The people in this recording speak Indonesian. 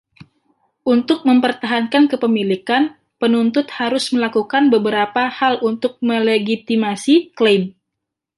Untuk mempertahankan kepemilikan, penuntut harus melakukan beberapa hal untuk melegitimasi klaim.